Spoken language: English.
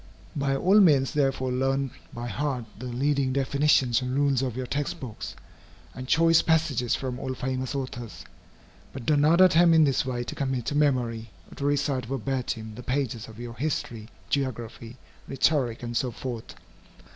By all means, therefore, learn by heart the leading definitions and rules of your text books, and choice passages from all famous authors. But do not attempt in this way to commit to memory, or to recite verbatim, the pages of your history, geography, rhetoric, and so forth.